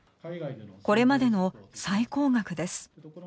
これまでの最高額です。